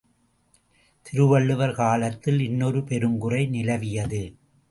திருவள்ளுவர் காலத்தில் இன்னொரு பெருங்குறை நிலவியது.